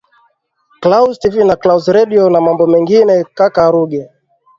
claus tv na claus redio na mambo mengine kaka ruge